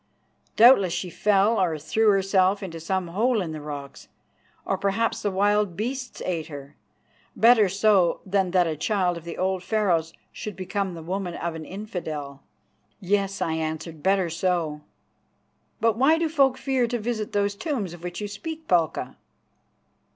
Doubtless she fell or threw herself into some hole in the rocks; or perhaps the wild beasts ate her. Better so than that a child of the old Pharaohs should become the woman of an infidel." "Yes," I answered, "better so. But why do folk fear to visit those tombs of which you speak, Palka?"